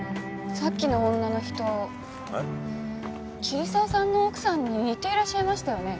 桐沢さんの奥さんに似ていらっしゃいましたよね